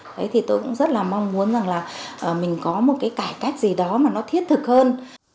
thế thì tôi cũng rất là mong muốn rằng là mình có một cái cải cách gì đó mà nó thiết thực hơn